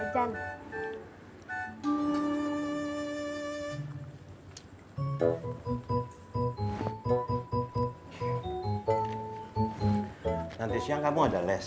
nanti siang kamu ada les